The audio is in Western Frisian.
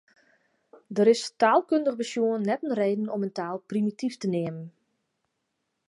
Der is taalkundich besjoen net in reden om in taal primityf te neamen.